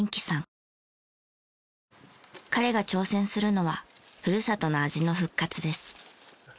彼が挑戦するのはふるさとの味の復活です。